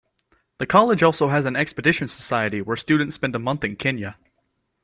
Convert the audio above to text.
The college also has an expedition society, where students spend a month in Kenya.